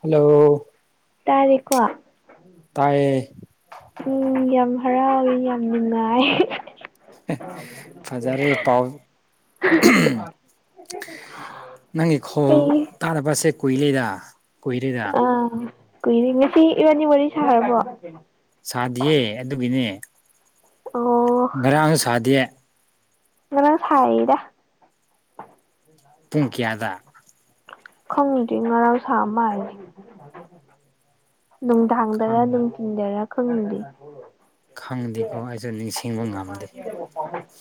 hello ꯇꯥꯔꯦꯀꯣ ꯇꯥꯏꯌꯦ ꯎꯝ ꯌꯥꯝ ꯍꯔꯥꯎꯋꯦ ꯌꯥꯝ ꯅꯨꯡꯉꯥꯏ ꯐꯖꯔꯦ ꯄꯥꯎ ꯅꯪꯒꯤ ꯈꯣꯜ ꯑꯩ ꯇꯔꯥ ꯕꯥ ꯁꯦ ꯀꯨꯏꯔꯦꯗ ꯀꯨꯏꯔꯦꯗ ꯀꯨꯏꯔꯤ ꯉꯁꯤ ꯏꯕꯥꯅꯤ ꯋꯥꯔꯤ ꯁꯥꯔꯕꯣ ꯁꯥꯗꯤꯌꯦ ꯑꯗꯨꯒꯤꯅꯦ ꯑꯣ ꯉꯔꯥꯡ ꯁꯥꯗꯦ ꯉꯔꯥꯡ ꯁꯥꯏꯌꯦꯗꯥ ꯄꯨꯡ ꯀꯌꯥꯗ [inaudible] ꯈꯪꯗꯦ ꯉꯔꯥꯡ ꯁꯥꯥ ꯃꯥꯂꯦ ꯅꯨꯡꯗꯥꯡꯗꯔ ꯈꯪ ꯅꯨꯡꯊꯤꯟꯗꯔꯥ ꯈꯪꯗꯦ ꯈꯪꯗꯦꯀꯣ ꯑꯩꯁꯨ ꯅꯤꯡꯁꯤꯡꯕ ꯉꯝꯗꯦ [unintelligible]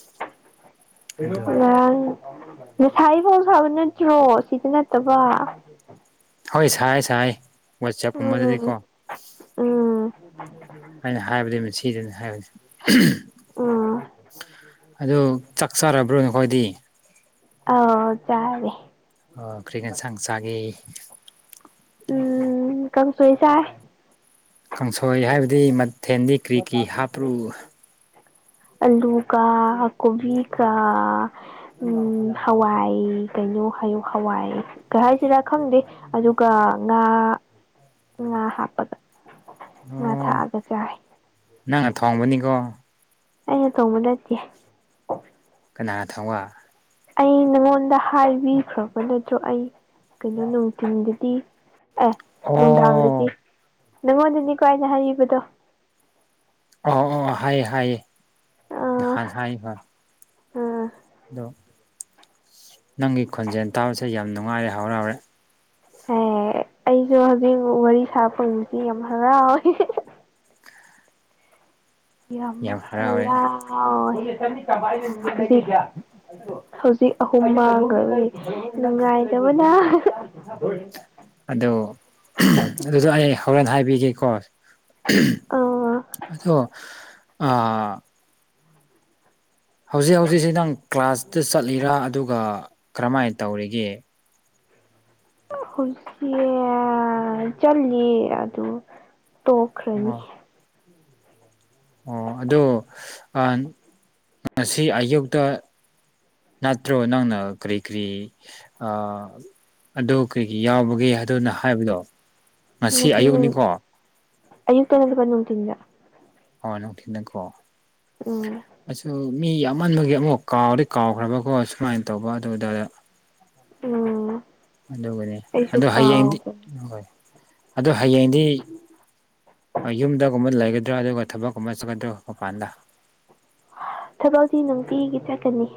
ꯑꯗꯨꯝ ꯉꯥꯔꯥꯡ ꯑꯁꯥꯏꯗ ꯁꯕ ꯅꯠꯇ꯭ꯔꯣ ꯁꯤꯗꯅ ꯅꯠꯇꯕꯥ ꯍꯣꯏ ꯁꯥꯏ ꯁꯥꯏ ꯋꯥꯆꯦꯞꯀꯨꯝꯕꯗꯗꯤꯀꯣ ꯎꯝ ꯎꯝ ꯑꯩꯅ ꯍꯥꯏꯕꯗꯨ ꯃꯁꯤ ꯁꯤꯗꯅꯤ ꯍꯥꯏꯕꯅꯤ ꯎꯝ ꯆꯥꯛꯆꯔꯕ꯭ꯔꯣ ꯅꯈꯣꯏꯗꯤ ꯑꯥꯎ ꯆꯥꯔꯦ ꯑꯣ ꯀꯔꯤ ꯑꯦꯡꯁꯥꯡ ꯆꯒꯦ ꯎꯝ ꯀꯥꯡꯁꯣꯏ ꯆꯥꯏ ꯀꯥꯡꯁꯣꯏ ꯍꯥꯏꯕꯗꯤ ꯃꯊꯦꯟꯗꯤ ꯀ꯭ꯔꯤ ꯀꯤ ꯍꯥꯞꯔꯨ ꯑꯂꯨꯒ ꯀꯣꯕꯤꯒ ꯎꯝ ꯍꯋꯥꯏ ꯀꯩꯅꯣ ꯌꯨ ꯍꯋꯥꯏ ꯀꯩ ꯍꯥꯏꯁꯤꯔꯥ ꯈꯪꯗꯦ ꯑꯗꯨꯒ ꯉꯥ ꯉꯥ ꯍꯥꯞꯄꯒ ꯉꯥ ꯑꯣ ꯊꯛꯑꯒ ꯆꯥꯏ ꯅꯪꯅ ꯊꯣꯡꯕꯅꯤꯀꯣ ꯑꯩꯅ ꯊꯣꯡꯕ ꯅꯠꯇꯦ ꯀꯅꯅꯥ ꯊꯣꯡꯕ ꯑꯩ ꯅꯉꯣꯟꯗ ꯍꯥꯏꯕꯤꯈ꯭ꯔꯕ ꯅꯠꯇ꯭ꯔꯣ ꯑꯩ ꯀꯩꯅꯣ ꯅꯨꯡꯊꯤꯟꯗꯗꯤ ꯑꯦ ꯑꯣ ꯅꯨꯡꯗꯥꯡꯗꯗꯤ ꯅꯪꯉꯣꯟꯗꯅꯤꯀꯣ ꯍꯥꯏꯅ ꯍꯥꯏꯔꯤꯕꯗꯣ ꯑꯣ ꯑꯣ ꯍꯥꯌꯦ ꯍꯥꯌꯦ ꯉꯍꯥꯟ ꯍꯥꯏꯕ ꯎꯝ ꯑꯗꯣ ꯅꯪꯒꯤ ꯈꯣꯟꯖꯦꯜ ꯇꯥꯕꯁꯦ ꯌꯥꯝ ꯅꯨꯡꯉꯥꯏꯔꯦ ꯍꯥꯎꯔꯦ ꯍꯥꯎꯔꯦ ꯑꯦ ꯑꯩꯁꯨ ꯍꯧꯖꯤꯛ ꯋꯥꯔꯤ ꯁꯥꯕꯄꯕꯁꯤ ꯌꯥꯝ ꯍꯔꯥꯎꯋꯦ ꯌꯥꯝ ꯍꯔꯥꯎꯋꯦ ꯍꯧꯖꯤꯛ ꯑꯍꯨꯝ ꯃꯥꯡꯈꯒꯤ ꯅꯨꯡꯉꯥꯏꯗꯕꯅ ꯑꯣ ꯑꯗꯨꯗꯣ ꯑꯩ ꯍꯣꯔꯦꯟ ꯍꯥꯏꯕꯤꯒꯦꯀꯣ ꯑ ꯑꯗꯣ ꯑꯥ ꯍꯧꯖꯤꯛ ꯍꯧꯖꯤꯛꯁꯤ ꯅꯪ ꯀ꯭ꯂꯥꯁꯇ ꯆꯠꯂꯤꯔꯥ ꯑꯗꯨꯒ ꯀꯔꯝꯍꯥꯏꯅ ꯇꯧꯔꯤꯒꯦ ꯍꯧꯖꯤꯛ ꯆꯜꯂꯤꯠ ꯑꯗꯨ ꯇꯣꯛꯈꯔꯅꯤ ꯑꯣ ꯑꯣ ꯑꯗꯨ ꯑꯥ ꯉꯁꯤ ꯑꯌꯨꯛꯇ ꯅꯠꯇ꯭ꯔꯣ ꯅꯪꯅ ꯀꯔꯤ ꯀꯔꯤ ꯑꯥ ꯑꯗꯨ ꯀꯔꯤꯒꯤ ꯌꯥꯎꯕꯒꯦ ꯍꯥꯏꯗꯅ ꯍꯥꯏꯕꯗꯣ ꯉꯁꯤ ꯑꯌꯨꯛꯅꯤꯀꯣ ꯑꯌꯨꯛ ꯇꯠꯇꯕ ꯅꯨꯡꯗꯤꯟꯗ ꯅꯨꯡꯊꯤꯟꯗ ꯀꯣ ꯎꯝ ꯃꯤ ꯌꯥꯝꯃꯟꯕꯒꯤ ꯑꯃꯨꯛ ꯀꯥꯎꯗꯤ ꯀꯥꯎꯈ꯭ꯔꯕꯀꯣ ꯁꯨꯃꯥꯏꯅ ꯇꯧꯕ ꯑꯗꯨꯗ ꯎꯝ ꯑꯗꯨꯒꯅꯦ ꯑꯩꯁꯨ ꯑꯗꯨ ꯍꯌꯦꯡꯗꯤ ꯀꯥꯎꯈ꯭ꯔꯦ ꯍꯣꯏ ꯑꯗꯨ ꯍꯌꯦꯡꯗꯤ ꯌꯨꯝꯗꯒꯨꯝꯕ ꯂꯩꯒ ꯭ꯔꯥ ꯑꯗꯨꯒ ꯊꯕꯛꯀꯨꯝꯕ ꯆꯠꯀꯗ꯭ꯔ ꯃꯄꯥꯟꯗ ꯊꯕꯛꯗꯤ ꯅꯨꯡꯇꯤꯒꯤ ꯆꯠꯀꯅꯤ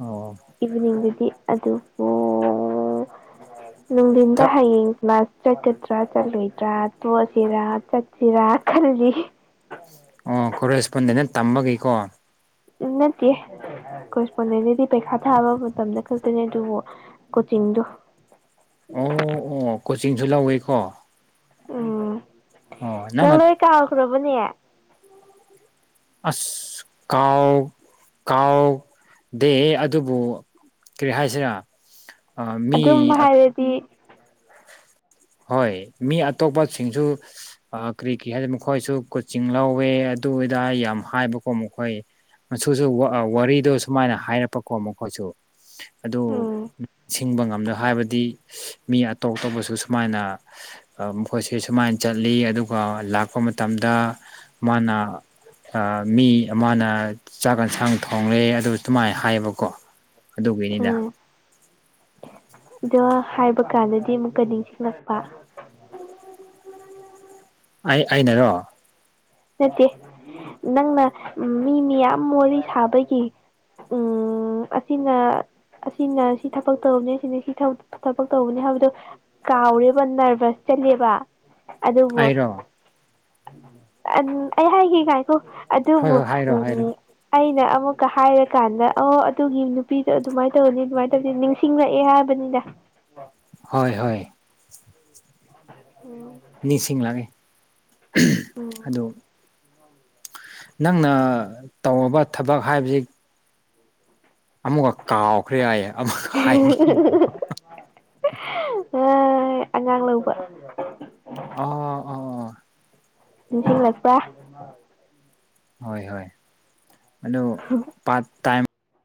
ꯑꯣ ꯏꯚꯤꯅꯤꯡ ꯑꯗꯨꯕꯨ ꯅꯨꯡꯊꯤꯟꯗ ꯊꯛ ꯍꯌꯦꯡ ꯀ꯭ꯂꯥꯁ ꯆꯠꯀꯗ꯭ꯔꯥ ꯆꯠꯂꯣꯏꯗ꯭ꯔꯥ ꯇꯣꯛꯑꯁꯤꯔꯥ ꯆꯠꯁꯤꯔꯥ ꯈꯜꯂꯤ ꯑꯣ ꯀꯣꯔꯦꯁꯄꯣꯟꯗꯦꯗ ꯇꯝꯕꯒꯤꯀꯣ ꯎꯝ ꯅꯠꯇꯦ ꯀꯦꯁꯄꯣꯟꯗꯦꯟꯗꯗꯤ ꯄꯩꯈꯥ ꯊꯥꯕ ꯃꯇꯝꯗ ꯈꯛꯇꯅꯦ ꯑꯗꯨꯕꯨ ꯀꯣꯆꯤꯡꯗꯣ ꯑꯣ ꯑꯣ ꯀꯣꯆꯤꯡꯁꯨ ꯂꯧꯋꯦꯀꯣ ꯎꯝ ꯑꯣ ꯅꯪ ꯅꯪꯅ ꯂꯣꯏ ꯀꯥꯎꯈ꯭ꯔꯕꯅꯦ ꯑꯁ ꯀꯥꯎ ꯀꯥꯎꯗꯦ ꯑꯗꯨꯕꯨ ꯀꯔꯤ ꯍꯥꯏꯁꯤꯔꯥ ꯑꯥ ꯃꯤ ꯑꯗꯨꯝ ꯍꯥꯏꯔꯗꯤ ꯍꯣꯏ ꯃꯤ ꯑꯇꯣꯞꯄꯁꯤꯡꯁꯨ ꯀꯔꯤ ꯀꯔꯤ ꯍꯥꯏ ꯃꯈꯣꯏꯁꯨ ꯀꯣꯆꯤꯡ ꯂꯧꯋꯦ ꯑꯗꯨꯏꯗꯥ ꯌꯥꯝ ꯍꯥꯏꯕꯀꯣ ꯃꯈꯣꯏ ꯃꯨꯁꯨ ꯋꯥꯔꯤꯗꯣ ꯁꯨꯃꯥꯏꯅ ꯍꯥꯏꯔꯛꯄꯀꯣ ꯃꯈꯣꯏꯁꯨ ꯑꯗꯨ ꯎꯝ ꯁꯤꯡꯕ ꯉꯝꯗ ꯍꯥꯏꯕꯗꯤ ꯃꯤ ꯑꯇꯣꯞ ꯑꯇꯣꯞꯄꯁꯨ ꯁꯨꯃꯥꯏꯅ ꯃꯈꯣꯏꯁ ꯁꯨꯃꯥꯏꯅ ꯆꯠꯂꯤ ꯑꯗꯨꯒ ꯂꯥꯛꯄ ꯃꯇꯝꯗ ꯃꯥꯅ ꯑ ꯃꯤ ꯑꯃꯅ ꯆꯥꯛ ꯌꯦꯟꯁꯥꯡ ꯊꯣꯡꯂꯦ ꯑꯗꯨ ꯁꯨꯃꯥꯏꯅ ꯍꯥꯏꯌꯦꯕꯀꯣ ꯑꯗꯨꯒꯤꯅꯤꯗ ꯎꯝ ꯑꯗꯨꯒ ꯍꯥꯏꯕ ꯀꯥꯟꯗꯗꯤ ꯑꯃꯨꯛꯀ ꯅꯤꯡꯁꯤꯡꯂꯛꯄ ꯑꯩ ꯑꯩꯅꯔꯣ ꯅꯠꯇꯦ ꯅꯪꯅ ꯃꯤ ꯃꯌꯥꯝ ꯃ ꯁꯥꯕꯒꯤ ꯎꯝ ꯑꯁꯤꯅ ꯑꯁꯤꯅ ꯁꯤ ꯊꯕꯛ ꯇꯧꯕꯅꯤ ꯑꯁꯤꯅꯤ ꯁꯤ ꯊꯕꯛ ꯇꯧꯕꯅꯤ ꯍꯥꯏꯕꯗꯣ ꯀꯥꯎꯔꯦꯕ ꯅꯔꯚꯁ ꯆꯠꯂꯦꯕ ꯑꯗꯨꯕꯨ ꯑꯩꯔꯣ ꯑꯩ ꯍꯥꯏꯈꯤ ꯉꯥꯏꯈꯣ ꯍꯣꯏ ꯑꯗꯨꯕꯨ ꯍꯣꯏ ꯍꯥꯏꯔꯣ ꯎ ꯍꯥꯏꯔꯣ ꯑꯩꯅ ꯑꯃꯨꯛꯀ ꯍꯥꯏꯔꯀꯥꯟꯗ ꯑꯣ ꯑꯗꯨꯒꯤ ꯅꯨꯄꯤꯗꯣ ꯑꯗꯨꯃꯥꯏꯅ ꯇꯧꯅꯤ ꯑꯗꯨꯃꯥꯏꯅ ꯇꯧꯅꯤ ꯅꯤꯡꯁꯤꯡꯂꯛꯑꯦ ꯍꯥꯏꯕꯅꯤꯗ ꯋꯥ ꯍꯣꯏ ꯍꯣꯏ ꯅꯤꯡꯁꯤꯡꯂꯛꯏ ꯑꯗꯨ ꯅꯪꯅ ꯇꯧꯔꯕ ꯊꯕꯛ ꯍꯥꯏꯕꯁꯤ ꯑꯃꯨꯛꯀ ꯀꯥꯎꯈ꯭ꯔꯦ ꯍꯥꯏꯌꯦ ꯑꯃꯨꯛꯀ ꯍꯥꯏ ꯑꯦ ꯑꯉꯥꯡ ꯂꯧꯕ ꯑꯣ ꯑꯣ ꯁꯤ ꯂꯄ ꯍꯣꯏ ꯍꯣꯏ ꯑꯗꯨ ꯇ